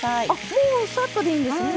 もうサッとでいいんですね？